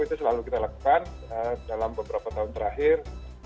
itu selalu kita lakukan dalam beberapa tahun terakhir